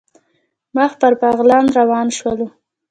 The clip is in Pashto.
مخ پر بغلان روان شولو.